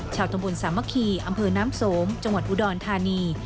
ชาวตำบลสามะคีอำเภอน้ำสมจังหวัดอุดรธานี